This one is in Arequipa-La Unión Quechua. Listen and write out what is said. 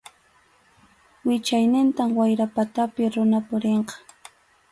Wichaynintam wayra patapi runa purinqa.